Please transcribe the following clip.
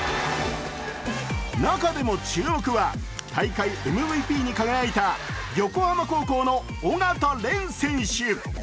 中でも注目は大会ＭＶＰに輝いた横浜高校の緒方漣選手。